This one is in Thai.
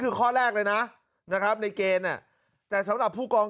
คือข้อแรกเลยนะนะครับในเกณฑ์แต่สำหรับผู้กอง